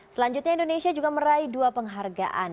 selanjutnya indonesia juga meraih dua penghargaan